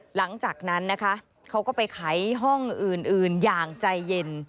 หลังจากนั้นนะคะเขาก็ไปไขห้องอื่นอย่างใจเย็น